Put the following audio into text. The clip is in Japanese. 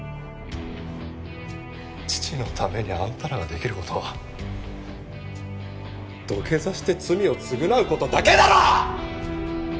父のためにあんたらができる事は土下座して罪を償う事だけだろ！！